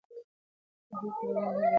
شاهي پلویان هیله لري چې ایران ته راوګرځي.